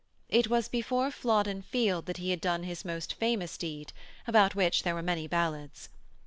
It was before Flodden Field that he had done his most famous deed, about which there were many ballads.